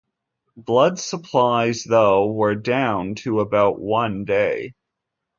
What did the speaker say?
Blood supplies though were down to about one day.